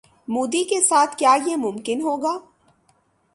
مودی کے ساتھ کیا یہ ممکن ہوگا؟